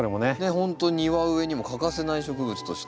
ほんと庭植えにも欠かせない植物として。